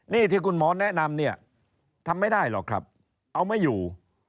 นี่ที่คุณหมอแนะนำเนี่ยทำไม่ได้หรอกครับเอาไม่อยู่